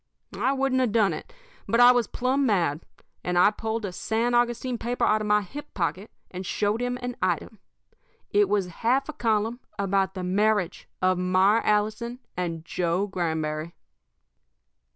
"I wouldn't have done it, but I was plumb mad. I pulled a San Augustine paper out of my hip pocket, and showed him an item. It was a half a column about the marriage of Myra Allison and Joe Granberry.